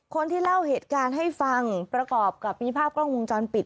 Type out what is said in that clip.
คนที่เล่าเหตุการณ์ให้ฟังประกอบกับมีภาพกล้องวงจรปิด